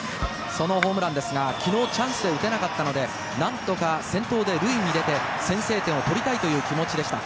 そのホームランですが、昨日チャンスで打てなかったので、何とか先頭で塁に出て先制点を取りたいという気持ちでした。